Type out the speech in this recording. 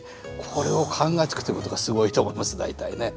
これを考えつくっていうことがすごいと思います大体ね。